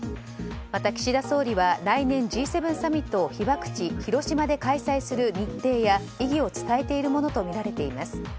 また岸田総理は来年Ｇ７サミットを被爆地・広島で開催する日程や意義を伝えているものとみられています。